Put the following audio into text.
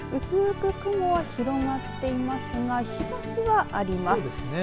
薄く雲は広がっていますが日ざしはあります。